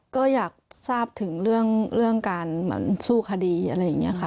ก็อยากทราบถึงเรื่องการเหมือนสู้คดีอะไรอย่างนี้ค่ะ